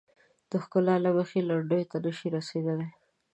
د ښکلا له مخې لنډیو ته نه شي رسیدلای.